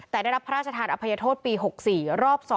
แต่ได้รับพระราชทานอภัยโทษปี๖๔รอบ๒